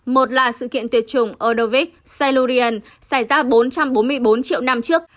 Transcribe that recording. một là sự kiện tuyệt chủng ordovich cellurian xảy ra bốn trăm bốn mươi bốn triệu năm trước